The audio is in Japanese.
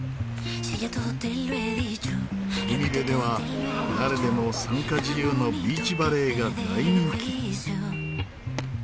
海辺では誰でも参加自由のビーチバレーが大人気。